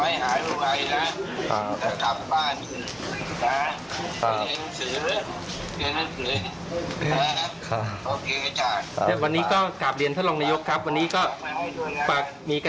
อยากการเรียนทะลองกลับให้มาได้ครับ